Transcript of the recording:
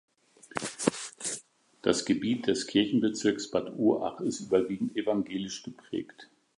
Das Gebiet des Kirchenbezirks Bad Urach ist überwiegend evangelisch geprägt.